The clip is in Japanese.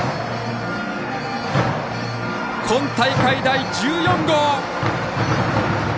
今大会、第１４号！